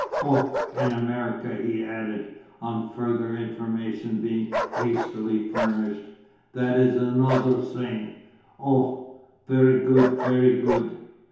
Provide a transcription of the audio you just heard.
O, in America," he added, on further information being hastily furnished. "That is anozer sing. O, very good, very good."